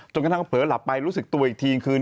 กระทั่งเผลอหลับไปรู้สึกตัวอีกทีคือ